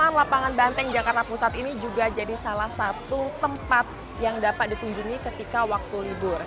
taman lapangan banteng jakarta pusat ini juga salah satu tempat yang dapat ditunjungi ketika waktu libur karena kita bisa menikmati ruang public